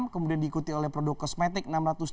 kemudian diikuti oleh produk kosmetik